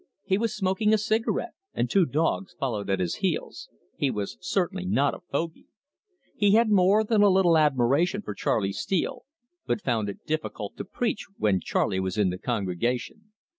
He was smoking a cigarette, and two dogs followed at his heels. He was certainly not a fogy. He had more than a little admiration for Charley Steele, but he found it difficult to preach when Charley was in the congregation.